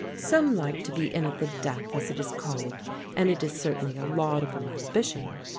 Some like to be in at the death, as it is called, and it is certainly a laudable ambition.